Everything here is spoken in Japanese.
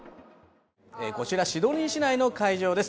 こちらシドニー市内の会場です。